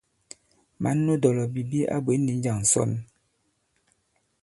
Mǎn nu dɔ̀lɔ̀bìbi a bwě ndi njâŋ ǹsɔn ?